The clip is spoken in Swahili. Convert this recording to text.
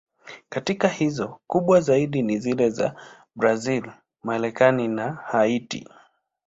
Katika hizo, kubwa zaidi ni zile za Brazil, Marekani na Haiti.